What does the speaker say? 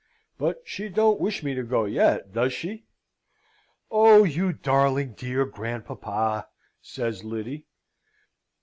But she don't wish me to go yet, does she?" "Oh, you darling dear grandpapa!" says Lyddy.